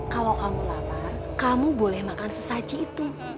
kalau kamu lapar kamu boleh makan sesaji itu